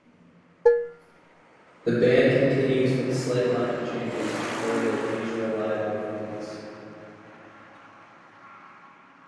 The band continues, with slight lineup changes, to play the occasional live performance.